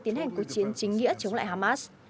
tiến hành cuộc chiến chính nghĩa chống lại hamas